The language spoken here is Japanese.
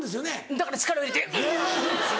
だから力を入れてうん！